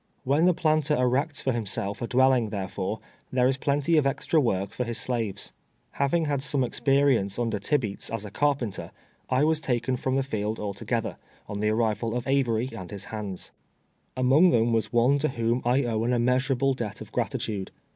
When the planter erects for himself a dwel ling, therefore, there is plenty of extra work for hia 2Gi: TWELVE YEAKS A SLAVE. Blaves. Ilaviuii; had 'some experience uiuler Tibeats as a car])eiiter, I was taken from the field altogether, on the arrival of Aveiy and his hands. Among them was one to whom I owe an immeas urable debt of gratitude.